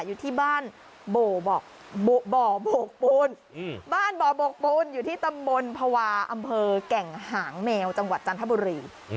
อยู่ที่บ้านบ่อโบกปูนบ้านบ่อโบกปูนอยู่ที่ตำบลภาวะอำเภอแก่งหางแมวจังหวัดจันทบุรี